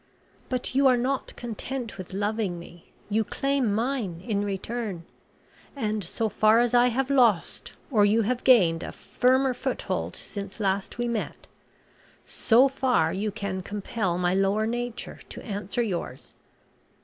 But you are not content with loving me, you claim mine in return, and so far as I have lost or you have gained a firmer foothold since last we met, so far you can compel my lower nature to answer yours.